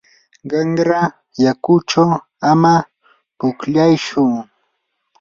qanra yakuchaw ama pukllaytsu.